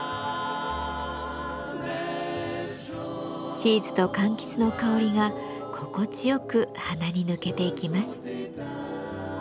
チーズとかんきつの香りが心地よく鼻に抜けていきます。